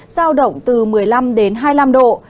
giao động từ một mươi năm đến hai mươi năm độ